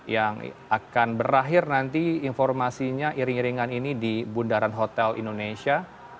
yang akan berakhir nanti informasinya iring iringan ini di bundaran hotel indonesia